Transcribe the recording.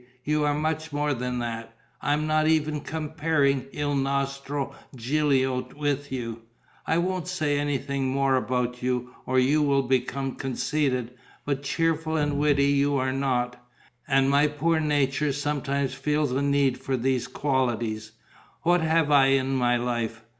You are much more than that. I'm not even comparing il nostro Gilio with you. I won't say anything more about you, or you will become conceited, but cheerful and witty you are not. And my poor nature sometimes feels a need for these qualities. What have I in my life?